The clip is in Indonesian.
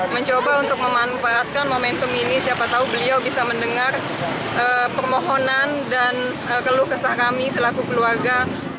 mencoba untuk memanfaatkan momentum ini siapa tahu beliau bisa mendengar permohonan dan keluh kesah kami selaku keluarga